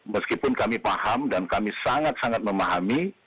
meskipun kami paham dan kami sangat sangat memahami